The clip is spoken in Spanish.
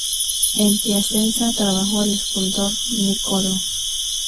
En Piacenza trabajó el escultor Niccolò.